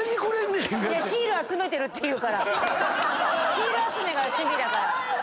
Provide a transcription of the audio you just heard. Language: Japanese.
シール集めが趣味だから。